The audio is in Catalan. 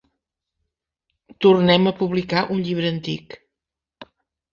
Tornem a publicar un llibre antic.